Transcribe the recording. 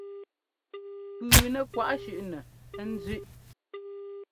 Pʉʉnɛ́ kwaʼ shúnɛ ɛ́nzʉ́ʼ.